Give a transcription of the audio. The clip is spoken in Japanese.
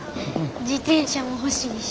自転車も欲しいし。